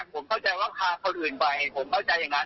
ผมเข้าใจว่าพาคนอื่นไปผมเข้าใจอย่างนั้น